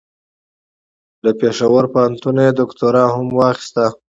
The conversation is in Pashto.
له پېښور پوهنتون یې دوکتورا هم واخیسته.